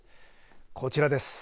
こちらです。